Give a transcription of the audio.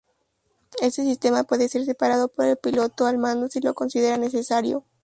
Este sistema puede ser parado por el piloto al mando si lo considera necesario.